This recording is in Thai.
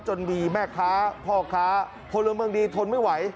จนมีแม่ค้าพ่อค้าพลเมืองดีทนไม่ไหว